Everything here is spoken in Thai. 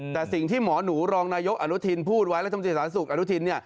แต่สิ่งที่หมอหนูรองนายกอนุทินพูดไว้และธรรมจิตสาธิตศูกร์อนุทิน